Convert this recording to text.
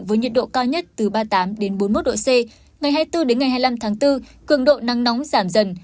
với nhiệt độ cao nhất từ ba mươi tám bốn mươi một độ c ngày hai mươi bốn đến ngày hai mươi năm tháng bốn cường độ nắng nóng giảm dần